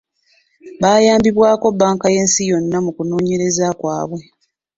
Bayambibwako bbanka y'ensi yonna mu kunoonyereza kwabwe.